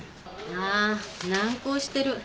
ああ難航してる。